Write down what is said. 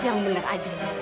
yang benar aja ya